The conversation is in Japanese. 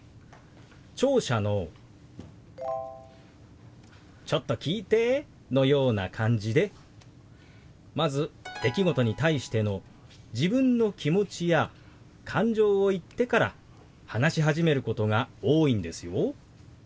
聴者の「ちょっと聞いて」のような感じでまず出来事に対しての自分の気持ちや感情を言ってから話し始めることが多いんですよ。